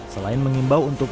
selain mengimbau untuk